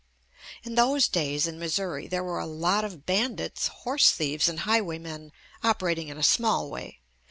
In those days in Missouri, there were a lot of bandits, horse thieves and highwaymen operating in a small way.